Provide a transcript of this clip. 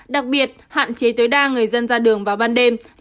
đặc biệt hạn chế tối đa người dân ra đường vào ban đêm